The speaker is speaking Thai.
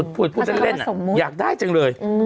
พูดเล่นอยากได้จังเลย